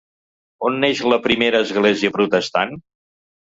On neix la primera església protestant?